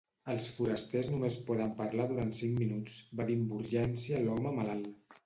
Els forasters només poden parlar durant cinc minuts, va dir amb urgència l"home malalt.